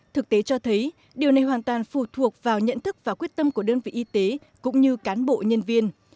thực tế cho thấy điều này hoàn toàn phụ thuộc vào nhận thức và quyết tâm của đơn vị y tế cũng như cán bộ nhân viên